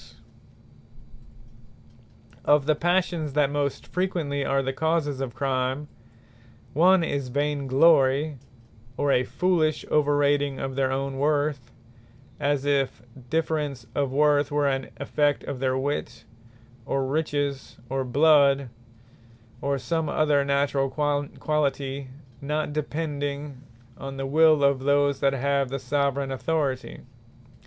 By Their Passions; Of the Passions that most frequently are the causes of Crime, one, is Vain glory, or a foolish over rating of their own worth; as if difference of worth, were an effect of their wit, or riches, or bloud, or some other naturall quality, not depending on the Will of those that have the Soveraign Authority.